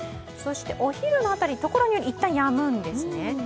そしてお昼の辺り、ところによりいったんやむんですね。